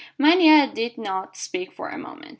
Mania did not speak for a moment.